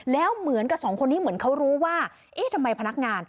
แล้วเหมือนกับสองคนนี้เหมือนเขารู้ว่าเอ๊ะทำไมพนักงาน